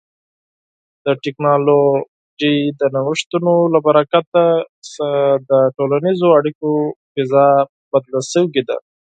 د ټکنالوژۍ د نوښتونو له برکت څخه د ټولنیزو اړیکو فضا بدله شوې ده.